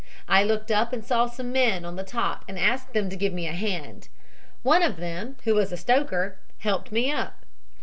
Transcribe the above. I looked up and saw some men on the top and asked them to give me a hand. One of them, who was a stoker, helped me up.